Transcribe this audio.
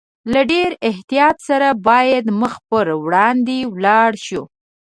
له ډېر احتیاط سره باید مخ پر وړاندې ولاړ شو.